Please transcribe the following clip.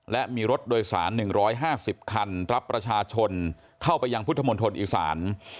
และมีรถโดยสาร๑๕๐คันรับประชาชนเข้าไปยังพุทธมณฑลอีสาน